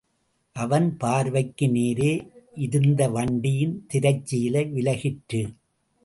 அவன் பார்வைக்கு நேரே இருந்த வண்டியின் திரைச்சீலை விலகிற்று.